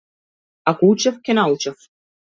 Ако учев ќе научев.